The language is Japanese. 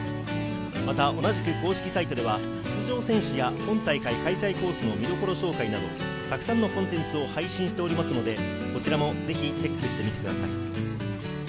また同じく公式サイトでは出場選手や今大会開催コースの見どころ紹介など、たくさんのコンテンツを配信しておりますので、こちらもぜひチェックしてみてください。